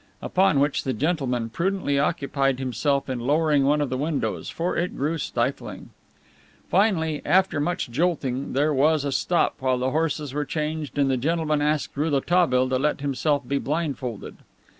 Upon which the gentleman prudently occupied himself in lowering one of the windows, for it grew stifling. Finally, after much jolting, there was a stop while the horses were changed and the gentleman asked Rouletabille to let himself be blindfolded.